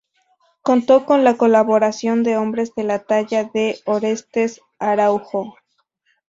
Contó con la colaboración de hombres de la talla de Orestes Araujo.